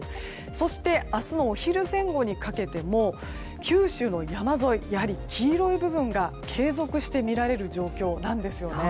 そして、明日のお昼前後にかけても九州の山沿いはやはり黄色い部分が継続してみられる状況なんです。